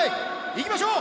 行きましょう！